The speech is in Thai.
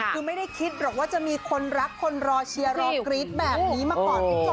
คือไม่ได้คิดหรอกว่าจะมีคนรักคนรอเชียร์รอกรี๊ดแบบนี้มาก่อนคุณผู้ชม